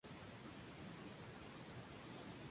Esta competición surgió de la tradición de la caza.